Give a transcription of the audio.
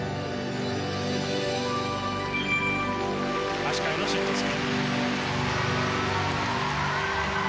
足換えのシットスピン。